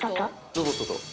ロボットと。